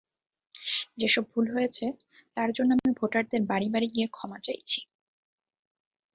যেসব ভুল হয়েছে, তার জন্য আমি ভোটারদের বাড়ি বাড়ি গিয়ে ক্ষমা চাইছি।